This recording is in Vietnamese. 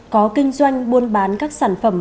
có kinh doanh buôn bán các sản phẩm